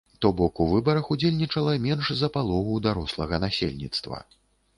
То бок у выбарах удзельнічала менш за палову дарослага насельніцтва.